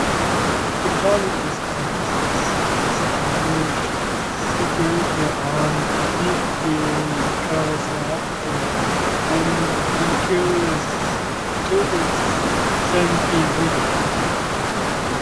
The college's campus is situated on fifty acres of land and includes seventeen buildings.